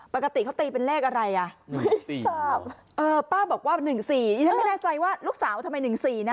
ปกติเขาตีเป็นเลขอะไรอ่ะป้าบอกว่าหนึ่งสี่นี่ฉันไม่แน่ใจว่าลูกสาวทำไมหนึ่งสี่นะ